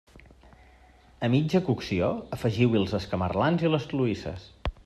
A mitja cocció afegiu-hi els escamarlans i les cloïsses.